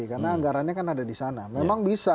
karena anggarannya kan ada di sana memang bisa